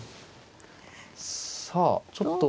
さあちょっと。